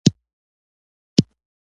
محمدرسول ماته وکتل.